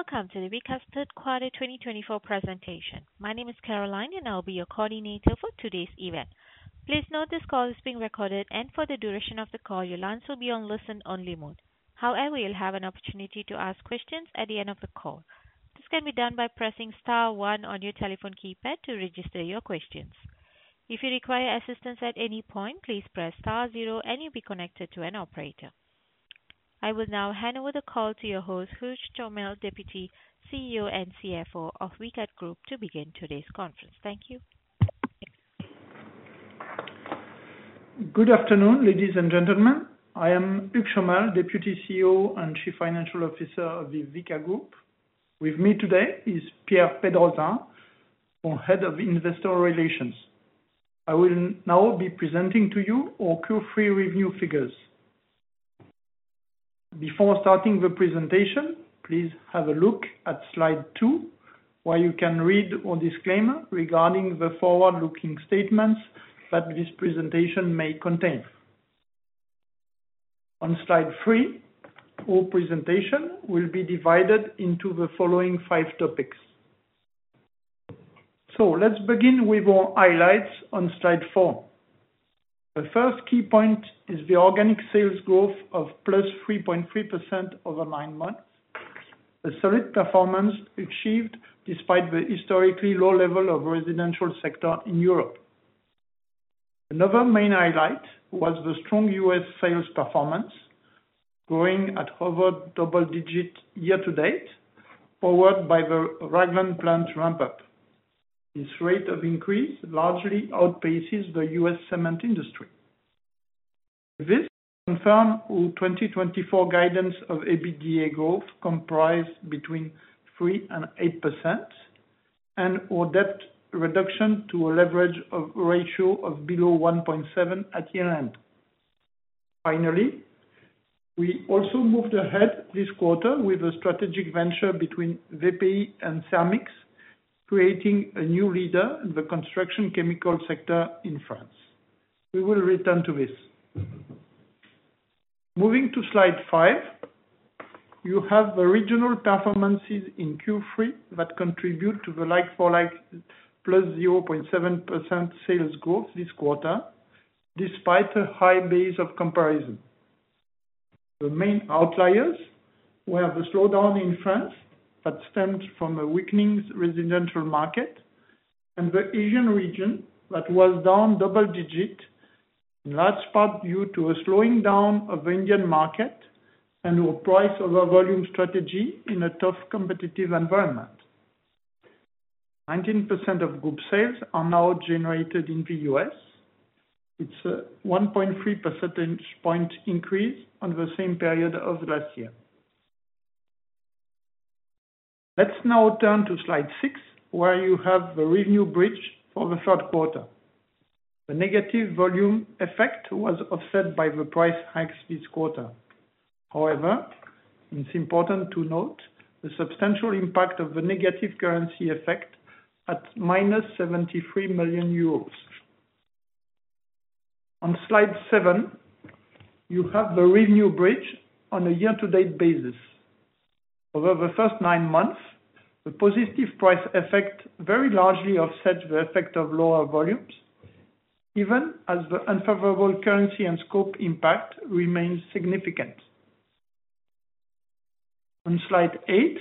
Welcome to the Vicat Hugues Chomel 2024 presentation. My name is Caroline, and I'll be your coordinator for today's event. Please note this call is being recorded, and for the duration of the call, your lines will be on listen-only mode. However, you'll have an opportunity to ask questions at the end of the call. This can be done by pressing *1 on your telephone keypad to register your questions. If you require assistance at any point, please press *0, and you'll be connected to an operator. I will now hand over the call to your host, Hugues Chomel, Deputy CEO and CFO of Vicat Group, to begin today's conference. Thank you. Good afternoon, ladies and gentlemen. I am Hugues Chomel, Deputy CEO and Chief Financial Officer of Vicat Group. With me today is Pierre Pedroza, our Head of Investor Relations. I will now be presenting to you our Q3 revenue figures. Before starting the presentation, please have a look at slide two, where you can read our disclaimer regarding the forward-looking statements that this presentation may contain. On slide three, our presentation will be divided into the following five topics, so let's begin with our highlights on slide four. The first key point is the organic sales growth of +3.3% over nine months, a solid performance achieved despite the historically low level of the residential sector in Europe. Another main highlight was the strong U.S. sales performance, growing at over double-digit year-to-date, powered by the Ragland plant ramp-up. This rate of increase largely outpaces the U.S. cement industry. This confirmed our 2024 guidance of EBITDA growth comprised between 3% and 8%, and our debt reduction to a leverage ratio of below 1.7% at year-end. Finally, we also moved ahead this quarter with a strategic venture between VPI and Koramic, creating a new leader in the construction chemical sector in France. We will return to this. Moving to slide 5, you have the regional performances in Q3 that contribute to the like-for-like plus 0.7% sales growth this quarter, despite a high base of comparison. The main outliers were the slowdown in France that stemmed from a weakening residential market, and the Asian region that was down double-digit, in large part due to a slowing down of the Indian market and our price over-volume strategy in a tough competitive environment. 19% of group sales are now generated in the US. It's a 1.3 percentage point increase on the same period as last year. Let's now turn to slide 6, where you have the revenue bridge for the third quarter. The negative volume effect was offset by the price hikes this quarter. However, it's important to note the substantial impact of the negative currency effect at EUR-73 million. On slide 7, you have the revenue bridge on a year-to-date basis. Over the first nine months, the positive price effect very largely offsets the effect of lower volumes, even as the unfavorable currency and scope impact remains significant. On slide 8,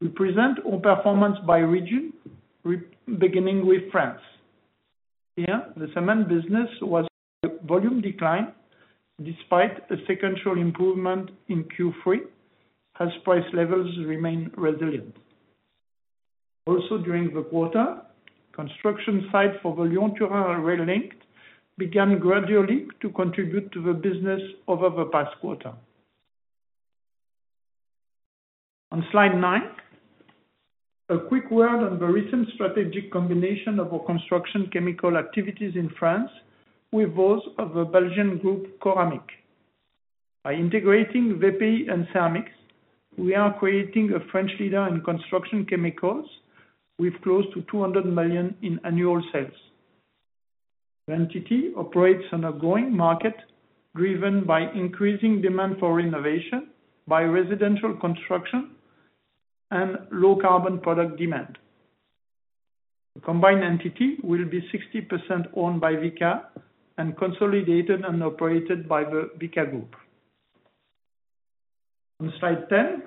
we present our performance by region, beginning with France. Here, the cement business was a volume decline, despite a sequential improvement in Q3, as price levels remained resilient. Also, during the quarter, construction sites for Lyon-Turin railway link began gradually to contribute to the business over the past quarter. On slide 9, a quick word on the recent strategic combination of our construction chemical activities in France with those of the Belgian group Koramic. By integrating VPI and Koramic, we are creating a French leader in construction chemicals with close to 200 million in annual sales. The entity operates on a growing market driven by increasing demand for renovation, by residential construction, and low-carbon product demand. The combined entity will be 60% owned by Vicat and consolidated and operated by Vicat, Hugues Chomel. On slide 10,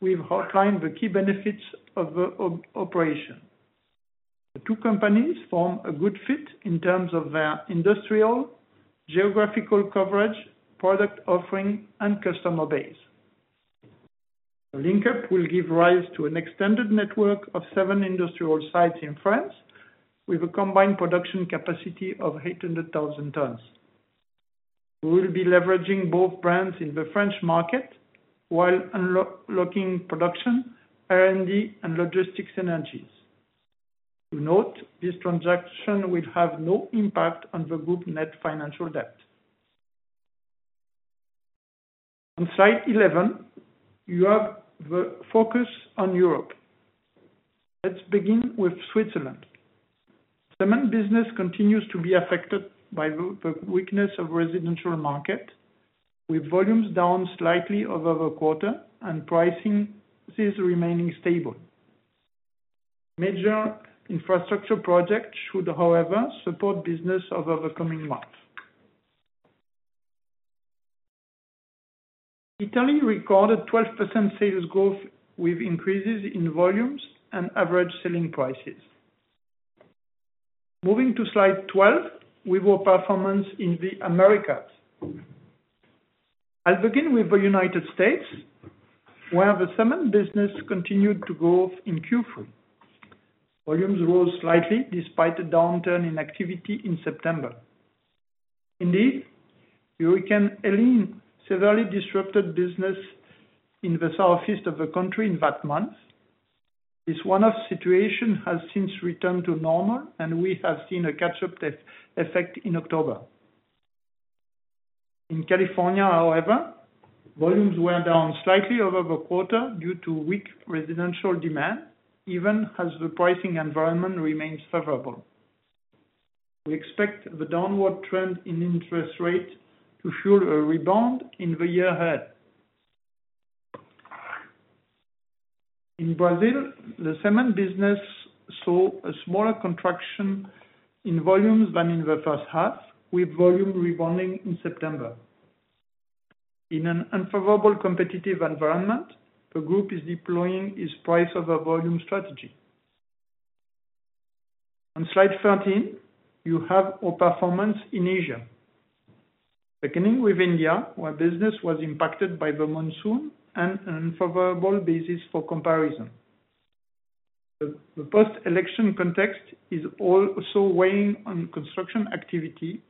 we've outlined the key benefits of the operation. The two companies form a good fit in terms of their industrial, geographical coverage, product offering, and customer base. The link-up will give rise to an extended network of seven industrial sites in France, with a combined production capacity of 800,000 tons. We will be leveraging both brands in the French market while unlocking production, R&D, and logistics energies. To note, this transaction will have no impact on the group's net financial debt. On slide 11, you have the focus on Europe. Let's begin with Switzerland. The cement business continues to be affected by the weakness of the residential market, with volumes down slightly over the quarter and prices remaining stable. Major infrastructure projects should, however, support business over the coming months. Italy recorded 12% sales growth with increases in volumes and average selling prices. Moving to slide 12, with our performance in the Americas. I'll begin with the United States, where the cement business continued to grow in Q3. Volumes rose slightly despite a downturn in activity in September. Indeed, Hurricane Helene severely disrupted business in the Southeast of the country in that month. This one-off situation has since returned to normal, and we have seen a catch-up effect in October. In California, however, volumes were down slightly over the quarter due to weak residential demand, even as the pricing environment remained favorable. We expect the downward trend in interest rates to fuel a rebound in the year ahead. In Brazil, the cement business saw a smaller contraction in volumes than in the first half, with volume rebounding in September. In an unfavorable competitive environment, the group is deploying its price over-volume strategy. On slide 13, you have our performance in Asia. Beginning with India, where business was impacted by the monsoon and an unfavorable basis for comparison. The post-election context is also weighing on construction activity,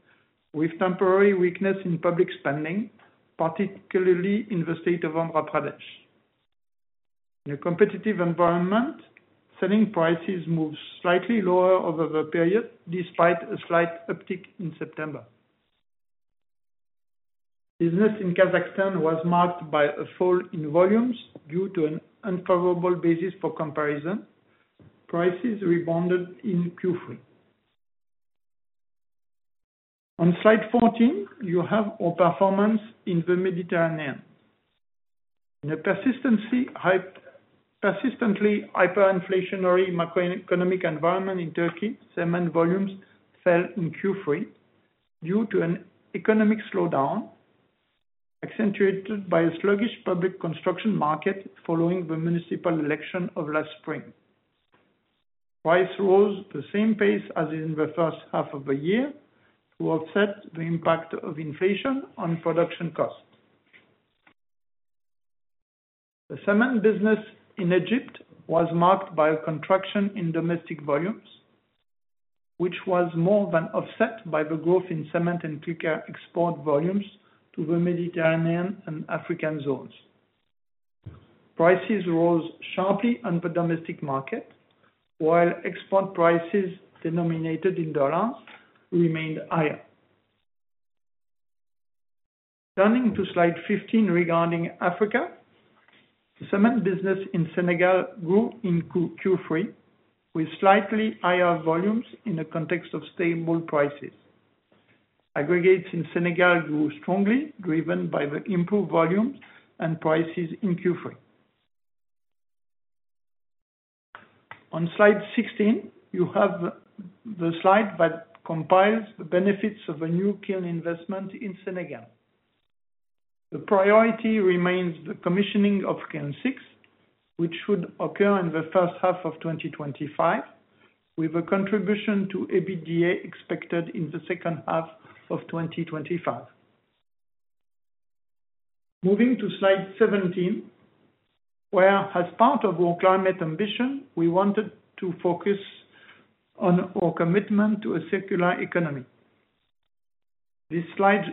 with temporary weakness in public spending, particularly in the state of Andhra Pradesh. In a competitive environment, selling prices moved slightly lower over the period, despite a slight uptick in September. Business in Kazakhstan was marked by a fall in volumes due to an unfavorable basis for comparison. Prices rebounded in Q3. On slide 14, you have our performance in the Mediterranean. In a persistently hyperinflationary macroeconomic environment in Turkey, cement volumes fell in Q3 due to an economic slowdown accentuated by a sluggish public construction market following the municipal election of last spring. Prices rose at the same pace as in the first half of the year to offset the impact of inflation on production costs. The cement business in Egypt was marked by a contraction in domestic volumes, which was more than offset by the growth in cement and clinker export volumes to the Mediterranean and African zones. Prices rose sharply on the domestic market, while export prices denominated in dollars remained higher. Turning to slide 15 regarding Africa, the cement business in Senegal grew in Q3, with slightly higher volumes in the context of stable prices. Aggregates in Senegal grew strongly, driven by the improved volumes and prices in Q3. On slide 16, you have the slide that compiles the benefits of a new kiln investment in Senegal. The priority remains the commissioning of kiln 6, which should occur in the first half of 2025, with a contribution to EBITDA expected in the second half of 2025. Moving to slide 17, where as part of our climate ambition, we wanted to focus on our commitment to a circular economy. This slide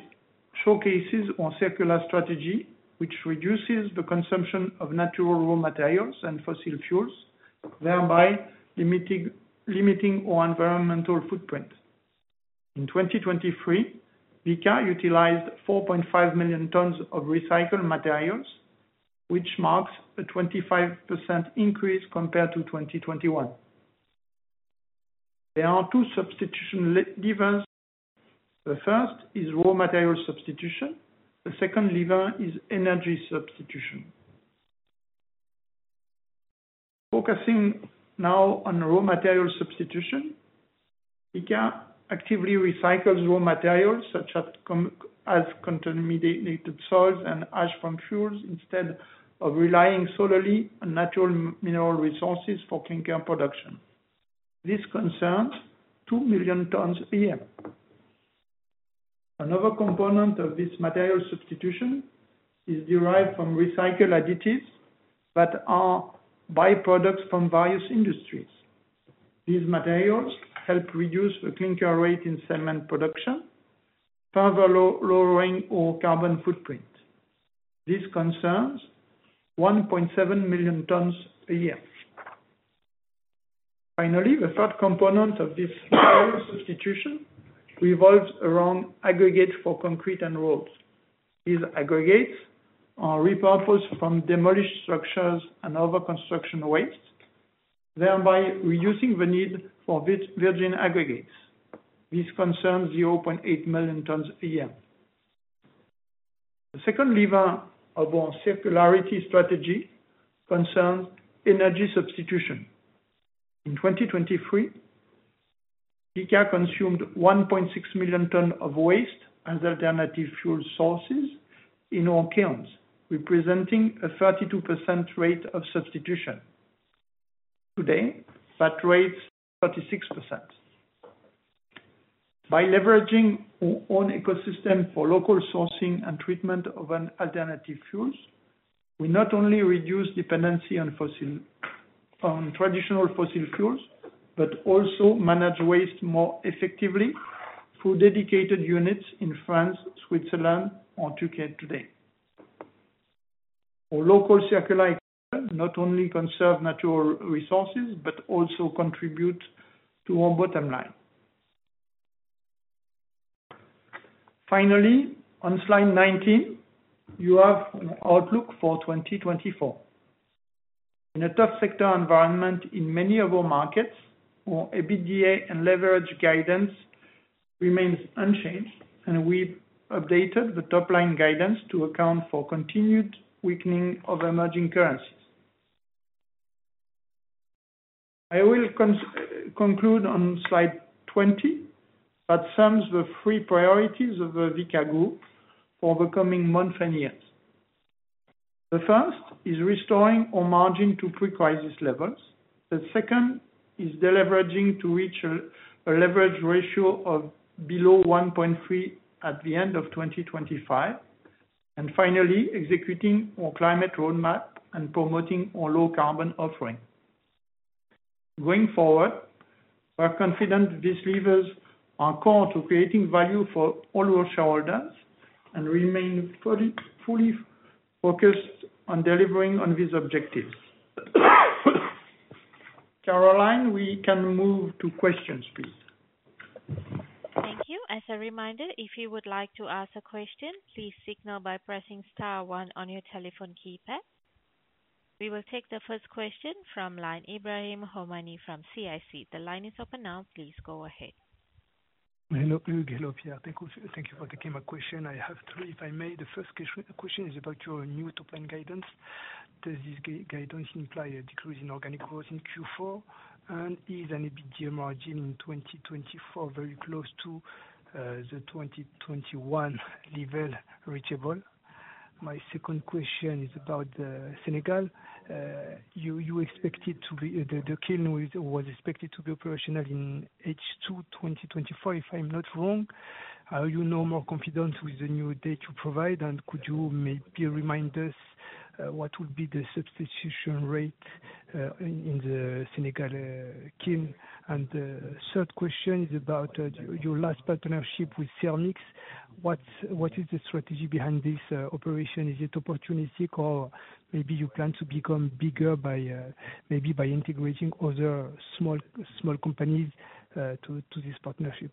showcases our circular strategy, which reduces the consumption of natural raw materials and fossil fuels, thereby limiting our environmental footprint. In 2023, Vicat utilized 4.5 million tons of recycled materials, which marks a 25% increase compared to 2021. There are two substitution levers. The first is raw material substitution. The second lever is energy substitution. Focusing now on raw material substitution, Vicat actively recycles raw materials such as contaminated soils and ash from fuels, instead of relying solely on natural mineral resources for clinker production. This concerns 2 million tons a year. Another component of this material substitution is derived from recycled additives that are byproducts from various industries. These materials help reduce the clinker rate in cement production, further lowering our carbon footprint. This concerns 1.7 million tons a year. Finally, the third component of this material substitution revolves around aggregates for concrete and roads. These aggregates are repurposed from demolished structures and other construction waste, thereby reducing the need for virgin aggregates. This concerns 0.8 million tons a year. The second lever of our circularity strategy concerns energy substitution. In 2023, Vicat consumed 1.6 million tons of waste as alternative fuel sources in our kilns, representing a 32% rate of substitution. Today, that rate is 36%. By leveraging our own ecosystem for local sourcing and treatment of alternative fuels, we not only reduce dependency on traditional fossil fuels but also manage waste more effectively through dedicated units in France, Switzerland, or Türkiye today. Our local circularity not only conserves natural resources but also contributes to our bottom line. Finally, on slide 19, you have our outlook for 2024. In a tough sector environment in many of our markets, our EBITDA and leverage guidance remains unchanged, and we've updated the top-line guidance to account for continued weakening of emerging currencies. I will conclude on slide 20 that sums the three priorities of the Vicat Group for the coming months and years. The first is restoring our margin to pre-crisis levels. The second is deleveraging to reach a leverage ratio of below 1.3 at the end of 2025, and finally, executing our climate roadmap and promoting our low-carbon offering. Going forward, we're confident these levers are key to creating value for all our shareholders and remain fully focused on delivering on these objectives. Caroline, we can move to questions, please. Thank you. As a reminder, if you would like to ask a question, please signal by pressing star one on your telephone keypad. We will take the first question from the line of Ebrahim Homani from CIC. The line is open now. Please go ahead. Hello, and hello, Pierre. Thank you for taking my question. I have three, if I may. The first question is about your new top-line guidance. Does this guidance imply a decrease in organic growth in Q4? And is an EBITDA margin in 2024 very close to the 2021 level reachable? My second question is about Senegal. You expected to be the kiln was expected to be operational in H2 2024, if I'm not wrong. Are you no more confident with the new data you provide? And could you maybe remind us what would be the substitution rate in the Senegal kiln? And the third question is about your last partnership with Koramic. What is the strategy behind this operation? Is it opportunistic or maybe you plan to become bigger by maybe by integrating other small companies to this partnership?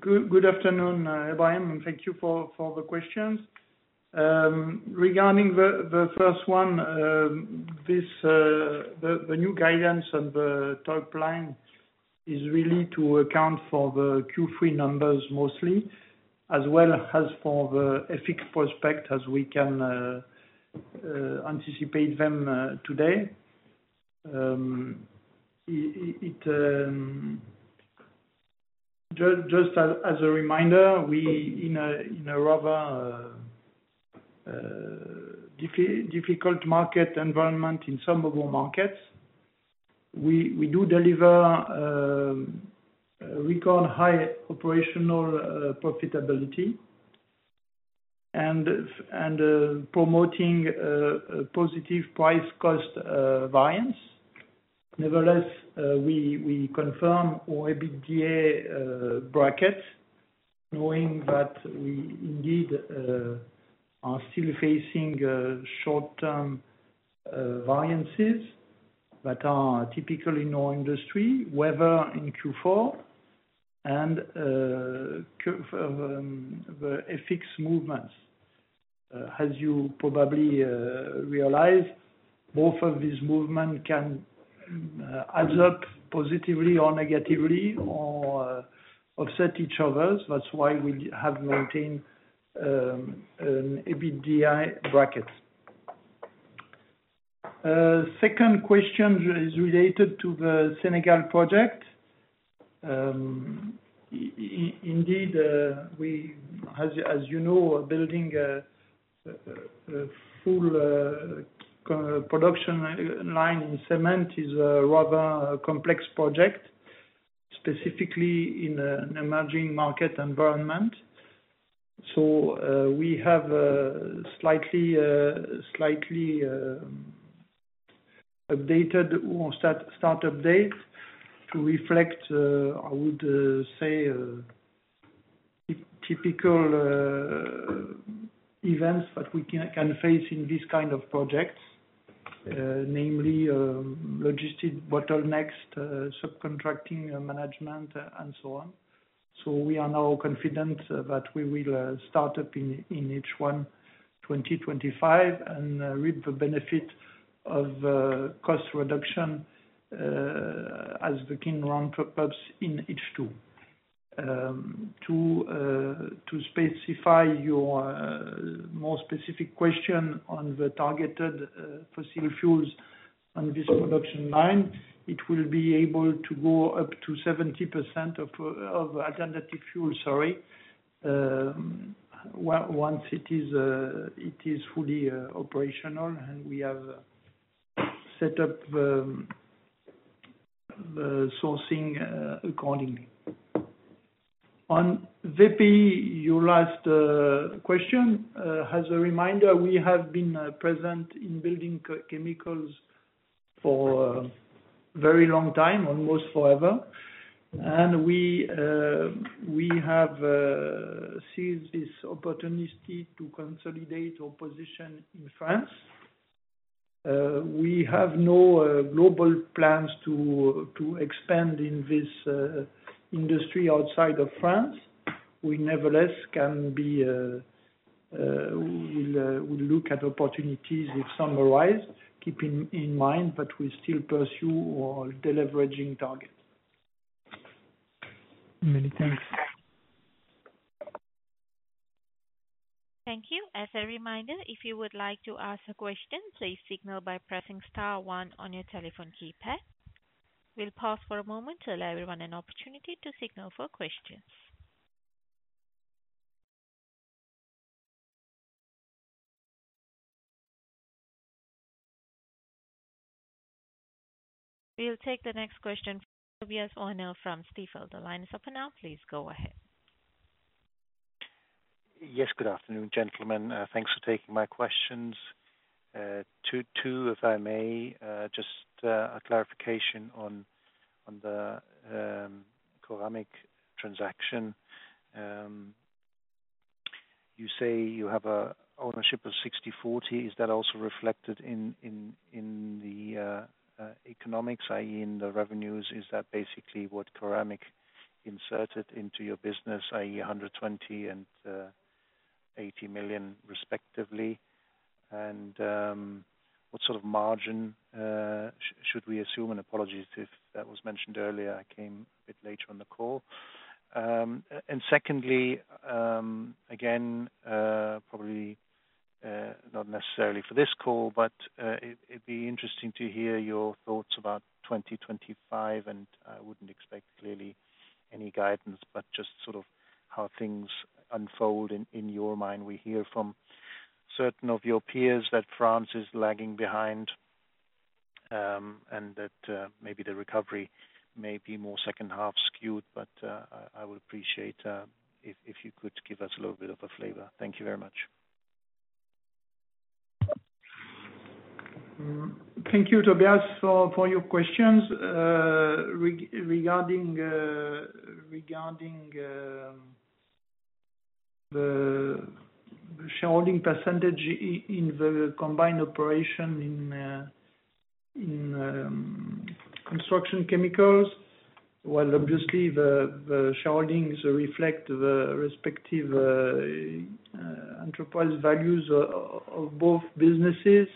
Good afternoon, Ibrahim. And thank you for the questions. Regarding the first one, the new guidance and the top-line is really to account for the Q3 numbers mostly, as well as for the FX prospects as we can anticipate them today. Just as a reminder, we are in a rather difficult market environment in some of our markets, we do deliver record-high operational profitability and promoting a positive price-cost variance. Nevertheless, we confirm our EBITDA bracket, knowing that we indeed are still facing short-term variances that are typical in our industry, whether in Q4 and the FX movements. As you probably realize, both of these movements can add up positively or negatively or offset each other. That's why we have maintained an EBITDA bracket. Second question is related to the Senegal project. Indeed, as you know, building a full production line in cement is a rather complex project, specifically in an emerging market environment. So we have a slightly updated our start-up date to reflect, I would say, typical events that we can face in these kinds of projects, namely logistics, bottlenecks, subcontracting management, and so on. So we are now confident that we will start up in H1 2025 and reap the benefit of cost reduction as the kiln run perhaps in H2. To specify your more specific question on the targeted fossil fuels on this production line, it will be able to go up to 70% of alternative fuel, sorry, once it is fully operational and we have set up the sourcing accordingly. On VPI, your last question, as a reminder, we have been present in building chemicals for a very long time, almost forever, and we have seized this opportunity to consolidate our position in France. We have no global plans to expand in this industry outside of France. We nevertheless can, but we'll look at opportunities as summarized, keeping in mind that we still pursue our deleveraging target. Many thanks. Thank you. As a reminder, if you would like to ask a question, please signal by pressing star one on your telephone keypad. We'll pause for a moment to allow everyone an opportunity to signal for questions. We'll take the next question from Tobias Woerner from Stifel. The line is open now. Please go ahead. Yes, good afternoon, gentlemen. Thanks for taking my questions. So, if I may, just a clarification on the Koramic transaction. You say you have an ownership of 60/40. Is that also reflected in the economics, i.e., in the revenues? Is that basically what Koramic inserted into your business, i.e., 120 million and 80 million, respectively? And what sort of margin should we assume? And apologies if that was mentioned earlier. I came a bit late on the call. And secondly, again, probably not necessarily for this call, but it'd be interesting to hear your thoughts about 2025. And I wouldn't expect, clearly, any guidance, but just sort of how things unfold in your mind. We hear from certain of your peers that France is lagging behind and that maybe the recovery may be more second half skewed. But I would appreciate if you could give us a little bit of a flavor. Thank you very much. Thank you, Tobias, for your questions regarding the shareholding percentage in the combined operation in construction chemicals. Well, obviously, the shareholdings reflect the respective enterprise values of both businesses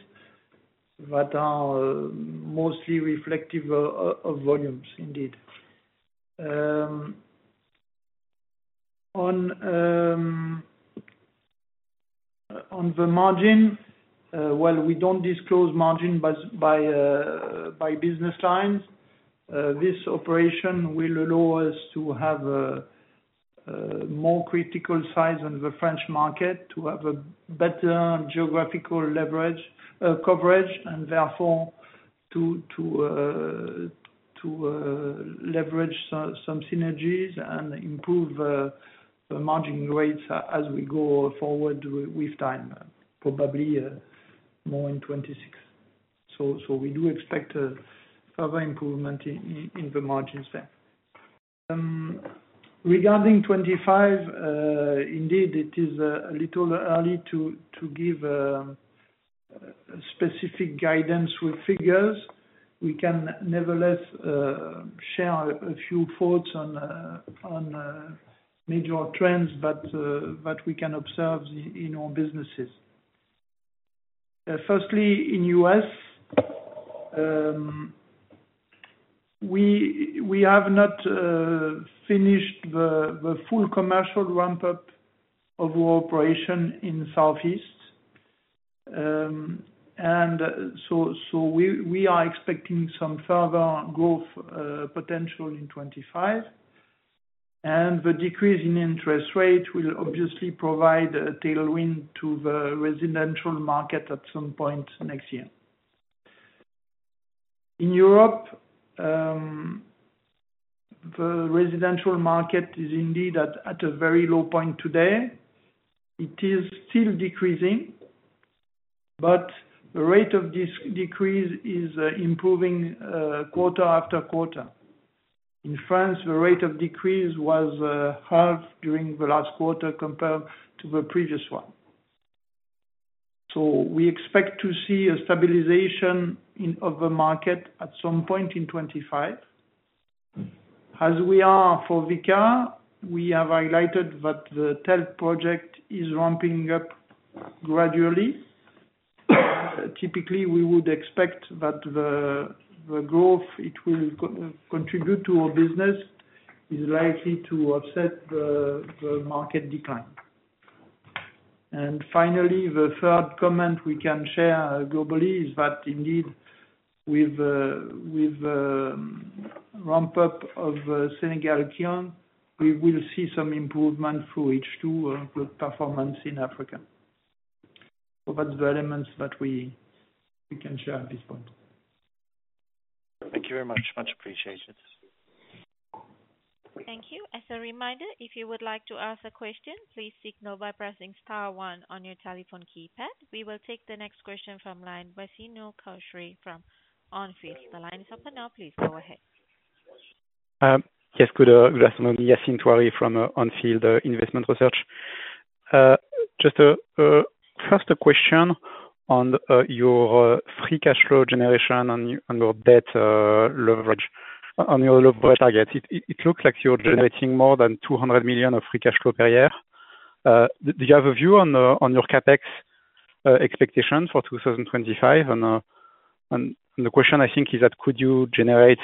that are mostly reflective of volumes, indeed. On the margin, while we don't disclose margin by business lines, this operation will allow us to have a more critical size on the French market, to have a better geographical coverage, and therefore to leverage some synergies and improve the margin rates as we go forward with time, probably more in 2026, so we do expect further improvement in the margins there. Regarding 2025, indeed, it is a little early to give specific guidance with figures. We can nevertheless share a few thoughts on major trends that we can observe in our businesses. Firstly, in the U.S., we have not finished the full commercial ramp-up of our operation in Southeast, and so we are expecting some further growth potential in 2025, and the decrease in interest rate will obviously provide a tailwind to the residential market at some point next year. In Europe, the residential market is indeed at a very low point today. It is still decreasing, but the rate of this decrease is improving quarter after quarter. In France, the rate of decrease was halved during the last quarter compared to the previous one, so we expect to see a stabilization of the market at some point in 2025. As we are for Vicat, we have highlighted that the TELT project is ramping up gradually. Typically, we would expect that the growth it will contribute to our business is likely to offset the market decline, and finally, the third comment we can share globally is that indeed, with the ramp-up of Senegal kiln, we will see some improvement through H2 performance in Africa, so that's the elements that we can share at this point. Thank you very much. Much appreciation. Thank you. As a reminder, if you would like to ask a question, please signal by pressing star one on your telephone keypad. We will take the next question from line Yassine Touahri from On Field. The line is open now. Please go ahead. Yes, good afternoon. Yassine Touahri from On Field Investment Research. Just a first question on your free cash flow generation and your debt leverage. On your leverage targets, it looks like you're generating more than 200 million of free cash flow per year. Do you have a view on your CapEx expectation for 2025? And the question, I think, is that could you generate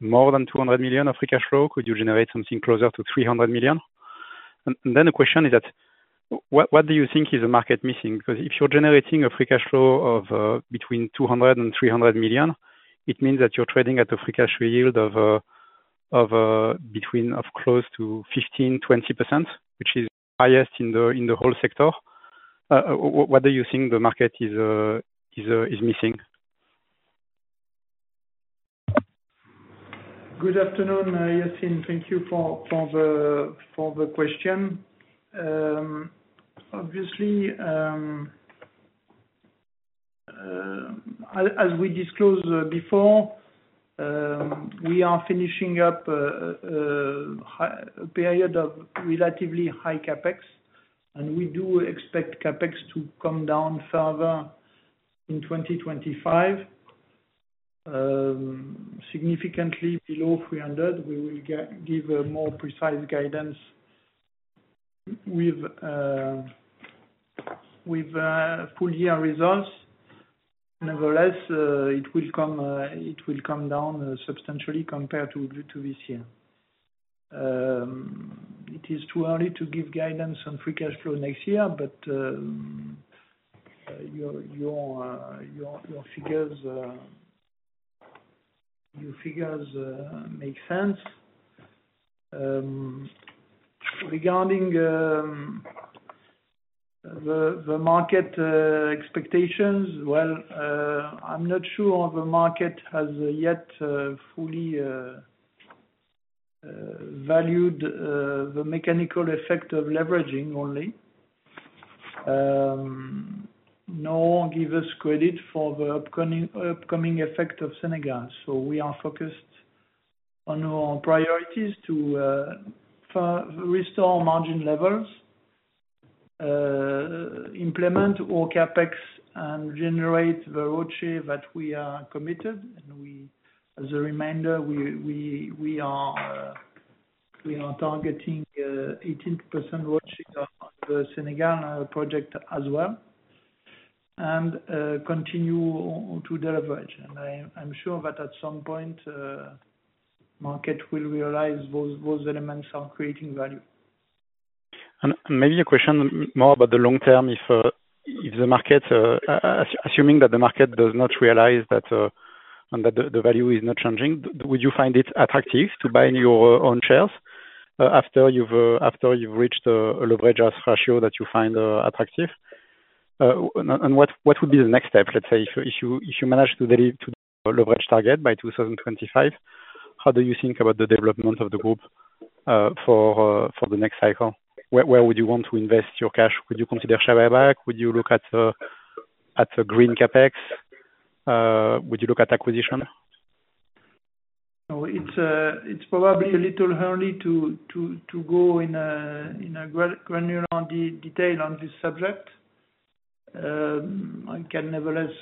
more than 200 million of free cash flow? Could you generate something closer to 300 million? And then the question is that what do you think is the market missing? Because if you're generating a free cash flow of between 200 million and 300 million, it means that you're trading at a free cash yield of close to 15%-20%, which is the highest in the whole sector. What do you think the market is missing? Good afternoon, Yassine. Thank you for the question. Obviously, as we disclosed before, we are finishing up a period of relatively high CapEx. We do expect CapEx to come down further in 2025. Significantly below 300 million, we will give a more precise guidance with full-year results. Nevertheless, it will come down substantially compared to this year. It is too early to give guidance on free cash flow next year, but your figures make sense. Regarding the market expectations, well, I'm not sure the market has yet fully valued the mechanical effect of leveraging only. No one gives us credit for the upcoming effect of Senegal. So we are focused on our priorities to restore margin levels, implement our CapEx, and generate the ROCE that we are committed. And as a reminder, we are targeting 18% ROCE on the Senegal project as well and continue to deliver it. And I'm sure that at some point, the market will realize those elements are creating value. And maybe a question more about the long term. If the market, assuming that the market does not realize that the value is not changing, would you find it attractive to buy your own shares after you've reached a leverage ratio that you find attractive? And what would be the next step? Let's say if you manage to deliver the leverage target by 2025, how do you think about the development of the group for the next cycle? Where would you want to invest your cash? Would you consider share buyback? Would you look at a Green CapEx? Would you look at acquisition? It's probably a little early to go into granular detail on this subject. I can nevertheless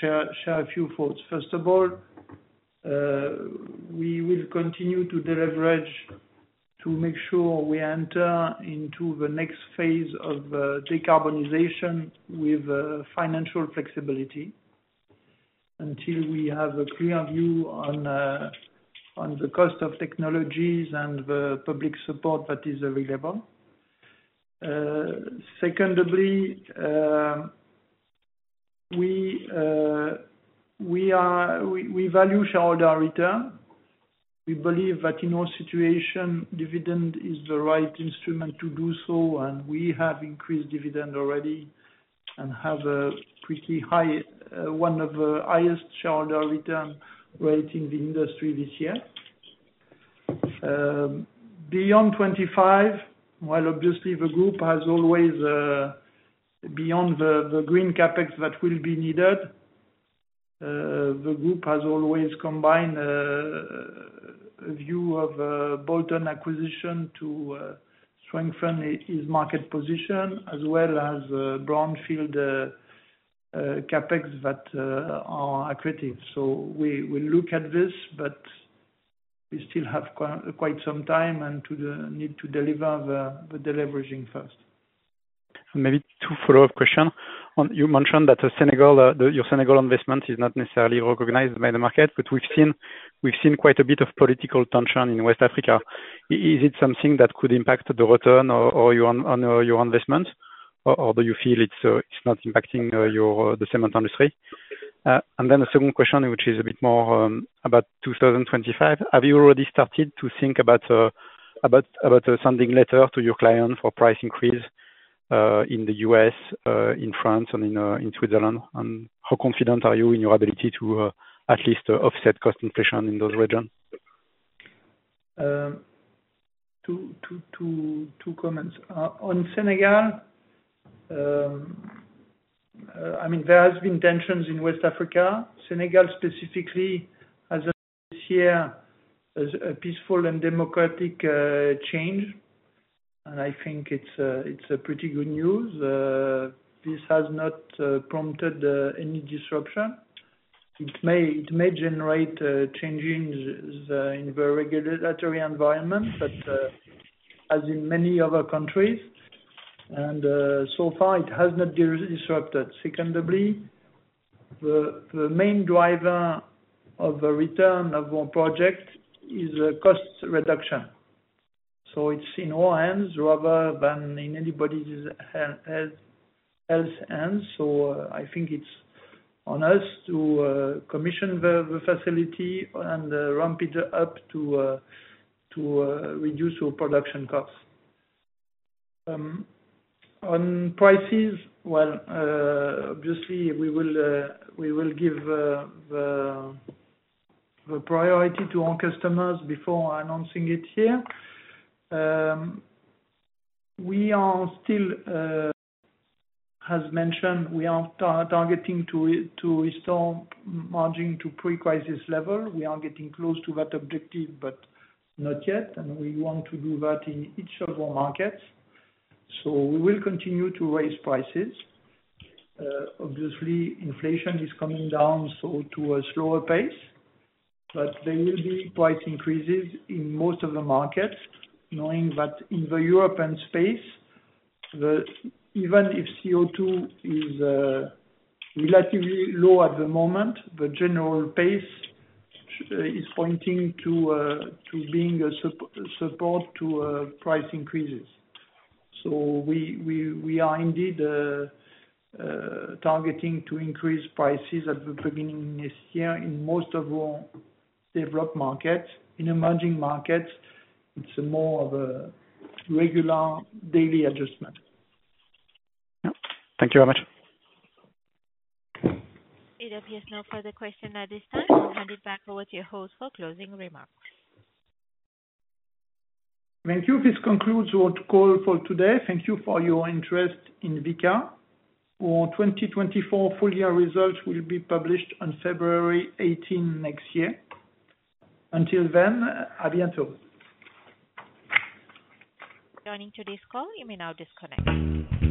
share a few thoughts. First of all, we will continue to deleverage to make sure we enter into the next phase of decarbonization with financial flexibility until we have a clear view on the cost of technologies and the public support that is available. Secondly, we value shareholder return. We believe that in our situation, dividend is the right instrument to do so, and we have increased dividend already and have a pretty high, one of the highest shareholder return rates in the industry this year. Beyond 2025, well, obviously, the group has always, beyond the green CapEx that will be needed, the group has always combined a view of bolt-on acquisition to strengthen its market position, as well as Brownfield CapEx that are accretive. So we look at this, but we still have quite some time and need to deliver the deleveraging first. And maybe two follow-up questions. You mentioned that your Senegal investment is not necessarily recognized by the market, but we've seen quite a bit of political tension in West Africa. Is it something that could impact the return on your investment, or do you feel it's not impacting the cement industry? And then the second question, which is a bit more about 2025, have you already started to think about sending letters to your clients for price increase in the U.S., in France, and in Switzerland? And how confident are you in your ability to at least offset cost inflation in those regions? Two comments. On Senegal, I mean, there have been tensions in West Africa. Senegal specifically has this year a peaceful and democratic change. And I think it's pretty good news. This has not prompted any disruption. It may generate changes in the regulatory environment, but as in many other countries. And so far, it has not disrupted. Secondly, the main driver of the return of our project is cost reduction. So it's in our hands rather than in anybody's else's hands. So I think it's on us to commission the facility and ramp it up to reduce our production costs. On prices, well, obviously, we will give the priority to our customers before announcing it here. We are still, as mentioned, we are targeting to restore margin to pre-crisis level. We are getting close to that objective, but not yet, and we want to do that in each of our markets, so we will continue to raise prices. Obviously, inflation is coming down to a slower pace, but there will be price increases in most of the markets, knowing that in the European space, even if CO2 is relatively low at the moment, the general pace is pointing to being a support to price increases, so we are indeed targeting to increase prices at the beginning of this year in most of our developed markets. In emerging markets, it's more of a regular daily adjustment. Thank you very much. It appears no further question at this time. Handed back over to your host for closing remarks. Thank you. This concludes our call for today. Thank you for your interest in Vicat. Our 2024 full-year results will be published on February 18 next year. Until then, à bientôt. Joining today's call. You may now disconnect.